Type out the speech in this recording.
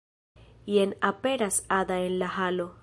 Jen aperas Ada en la halo.